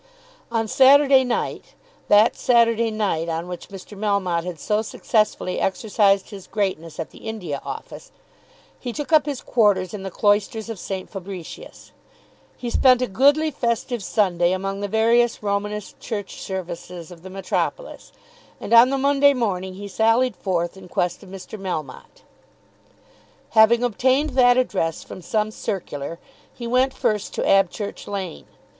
On Saturday night, that Saturday night on which Mr. Melmotte had so successfully exercised his greatness at the India Office, he took up his quarters in the cloisters of St. Fabricius; he spent a goodly festive Sunday among the various Romanist church services of the metropolis; and on the Monday morning he sallied forth in quest of Mr. Melmotte. Having obtained that address from some circular, he went first to Abchurch Lane.